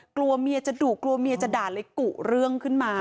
กลัวเมียจะดุกลัวเมียจะด่าเลยกุเรื่องขึ้นมา